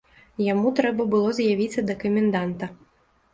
Яму трэба было з'явіцца да каменданта.